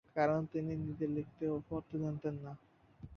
কারণ, তিনি নিজে লিখতে ও পড়তে জানতেন না।